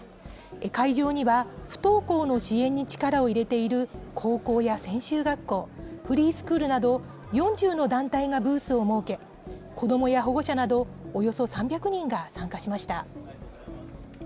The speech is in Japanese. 会場には、不登校の支援に力を入れている高校や専修学校、フリースクールなど、４０の団体がブースを設け、子どもや保護者など、およそ３００人が参加しました。